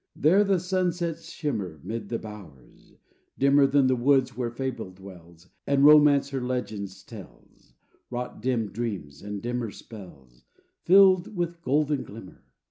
There the sunset's shimmer 'Mid the bowers, dimmer Than the woods where Fable dwells, And Romance her legends tells, Wrought dim dreams and dimmer spells, Filled with golden glimmer.